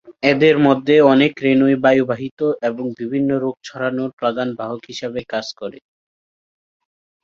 এদের মধ্যে অনেক রেণুই বায়ুবাহিত এবং বিভিন্ন রোগ ছড়ানোর প্রধান বাহক হিসেবে কাজ করে।